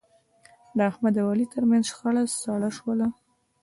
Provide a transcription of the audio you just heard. د احمد او علي ترمنځ شخړه سړه شوله.